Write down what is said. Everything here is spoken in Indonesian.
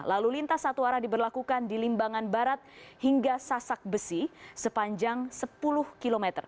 lalu lintas satu arah diberlakukan di limbangan barat hingga sasak besi sepanjang sepuluh km